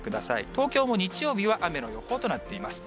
東京も日曜日は雨の予報となっています。